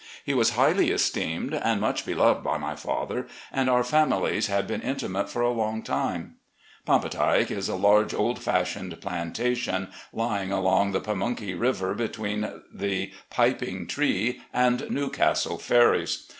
He was highly esteemed and much beloved by my father, and our families had been intimate for a long time. "Pampatike" is a large, old fashioned plantation, lying along the Pamunkey River, between the Piping Tree and New Castle ferries.